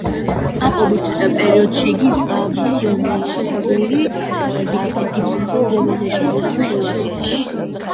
პაპობის პერიოდში იგი მისიონერული ვიზიტით იმყოფებოდა გერმანიაში, ინგლისში და ირლანდიაში.